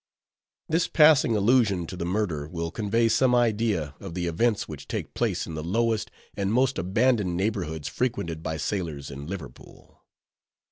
This passing allusion to the murder will convey some idea of the events which take place in the lowest and most abandoned neighborhoods frequented by sailors in Liverpool.